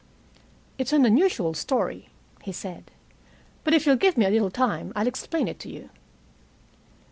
"It's an unusual story," he said. "But if you'll give me a little time I'll explain it to you.